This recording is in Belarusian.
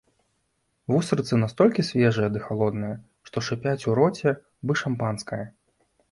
Вустрыцы настолькі свежыя ды халодныя, што шыпяць у роце, бы шампанскае.